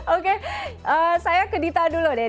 oke saya ke dita dulu deh